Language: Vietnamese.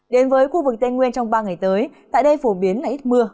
đến với khu vực tây nguyên trong ba ngày tới tại đây phổ biến là ít mưa